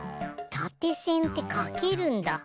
たてせんってかけるんだ。